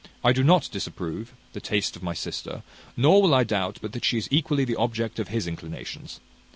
I do not disapprove the taste of my sister; nor will I doubt but that she is equally the object of his inclinations.